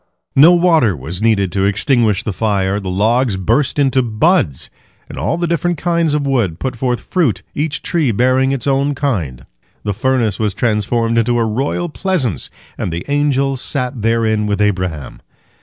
" No water was needed to extinguish the fire. The logs burst into buds, and all the different kinds of wood put forth fruit, each tree bearing its own kind. The furnace was transformed into a royal pleasance, and the angels sat therein with Abraham.